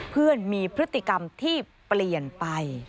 เพื่อนมีพฤติกรรมที่เปลี่ยนไป